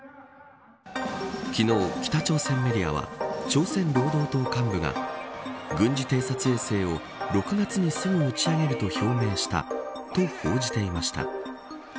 昨日、北朝鮮メディアは朝鮮労働党幹部が軍事偵察衛星を、６月にすぐ打ち上げると表明したと報じていました。